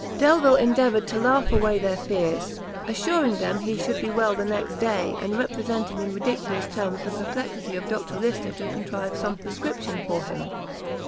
Delvile endeavoured to laugh away their fears, assuring them he should be well the next day, and representing in ridiculous terms the perplexity of Dr Lyster to contrive some prescription for him.